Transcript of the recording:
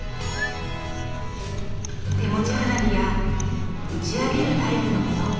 手持ち花火や打ち上げるタイプのもの